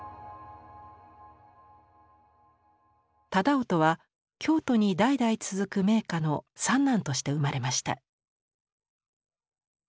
楠音は京都に代々続く名家の三男として生まれました。